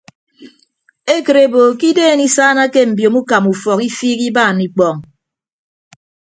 Ekịt ebo ke ideen isaanake mbiomo ukama ufọk ifiik ibaan ikpọọñ.